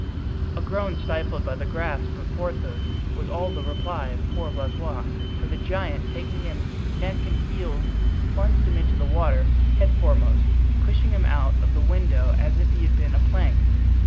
A groan, stifled by the grasp of Porthos, was all the reply of poor Blaisois, for the giant, taking him neck and heels, plunged him into the water headforemost, pushing him out of the window as if he had been a plank.